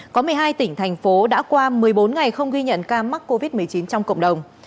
có một mươi hai tỉnh thành phố đã qua một mươi bốn ngày không ghi nhận ca mắc covid một mươi chín trong cộng đồng